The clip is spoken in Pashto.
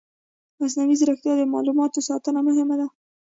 مصنوعي ځیرکتیا د معلوماتو ساتنه مهمه کوي.